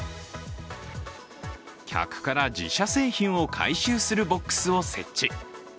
客から自社製品を回収するボックスを設置。